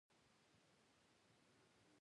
دا پلاوی چې پکې د بهرنیو او کورنیو چارو وزارتون